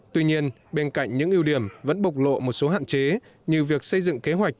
tuy nhiên bên cạnh những ưu điểm vẫn bộc lộ một số hạn chế như việc xây dựng kế hoạch